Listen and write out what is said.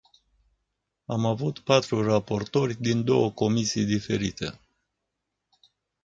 Am avut patru raportori din două comisii diferite.